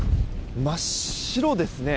真っ白ですね。